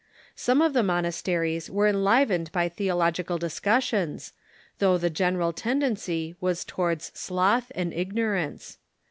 Some of the monasteries were enlivened by theological discussions, though the general tendency was towards sloth and ignorance.